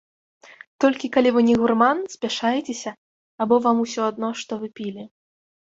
Толькі калі вы не гурман, спяшаецеся або вам усё адно, што вы пілі.